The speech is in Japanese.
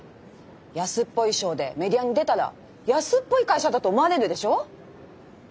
安っぽい衣装でメディアに出たら安っぽい会社だと思われるでしょ？